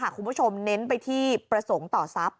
ตอนนี้ค่ะคุณผู้ชมเน้นไปที่ประสงค์ต่อทรัพย์